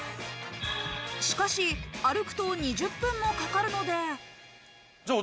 しかし、歩くと２０分もかかるので。